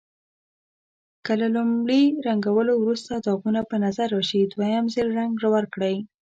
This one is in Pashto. که له لومړي رنګولو وروسته داغونه په نظر راشي دویم ځل رنګ ورکړئ.